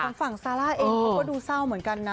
ทางฝั่งซาร่าเองเขาก็ดูเศร้าเหมือนกันนะ